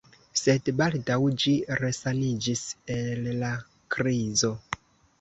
Sed baldaŭ ĝi resaniĝis el la krizo.